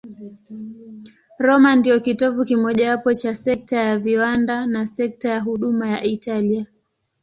Roma ndiyo kitovu kimojawapo cha sekta ya viwanda na sekta ya huduma ya Italia.